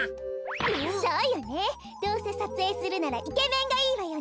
そうよねどうせさつえいするならイケメンがいいわよね。